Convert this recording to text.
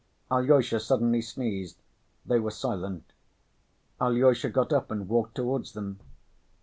Alyosha suddenly sneezed. They were silent. Alyosha got up and walked towards them.